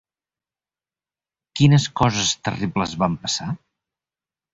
Quines coses terribles van passar?